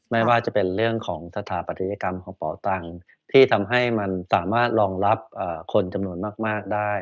ไม่ว่าจะเป็นเรื่องของสถาปัตยกรรมของเป่าตังที่ทำให้มันสามารถรองรับคนจำนวนมากได้